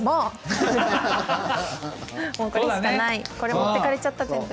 これ持ってかれちゃった全部。